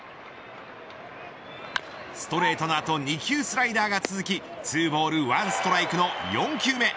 ストレートの後２球スライダーが続きツーボール１ストライクの４球目。